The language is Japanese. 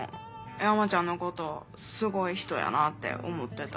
山ちゃんのことすごい人やなって思ってた。